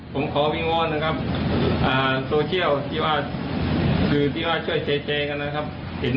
ผมขอวิงววลนะครับ